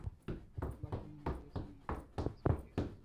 বাষ্পীয় ইঞ্জিনের উদ্ভাবক ছিলেন একজন স্কটিশ।